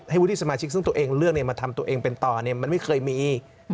วุฒิสมาชิกซึ่งตัวเองเลือกมาทำตัวเองเป็นต่อมันไม่เคยมี